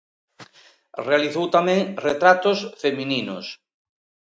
Realizou tamén retratos femininos.